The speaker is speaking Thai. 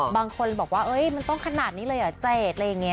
บางคนบอกว่ามันต้องขนาดนี้เลยล่ะเจศ